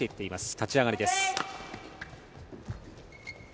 立ち上がりです。